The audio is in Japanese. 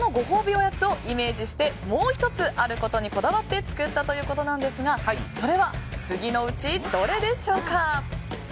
おやつをイメージしてもう１つ、あることにこだわって作ったということですがそれは次のうちどれでしょうか。